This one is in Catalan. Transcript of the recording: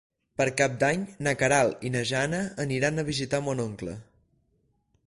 Per Cap d'Any na Queralt i na Jana aniran a visitar mon oncle.